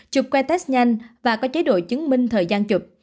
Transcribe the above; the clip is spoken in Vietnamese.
chụp quay test nhanh và có chế độ chứng minh thời gian chụp